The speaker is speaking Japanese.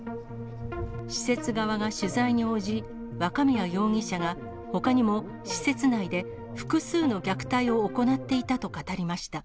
施設側が取材に応じ、若宮容疑者が、ほかにも施設内で複数の虐待を行っていたと語りました。